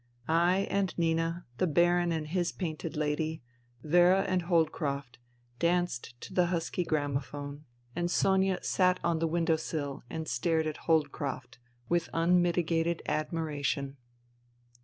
I and Nina, the Baron and his painted lady. Vera and Holdcroft, danced to the husky gramophone ; and 142 FUTILITY Sonia sat on the window sill and stared at Holdcroft with unmitigated admiration.